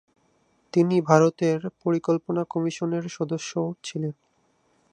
তিনি ভারতের পরিকল্পনা কমিশনের সদস্যও ছিলেন।